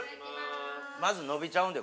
まず伸びちゃうんで。